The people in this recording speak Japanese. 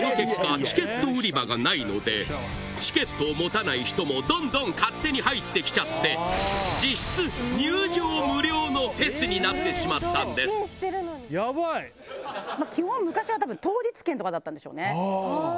チケット売り場がないのでチケットを持たない人もどんどん勝手に入ってきちゃってのフェスになってしまったんです基本。